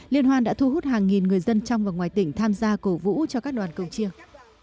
liên hoan đã thu hút hàng nghìn người dân trong và ngoài tỉnh tham gia cổ vũ cho các đoàn cổng chiêng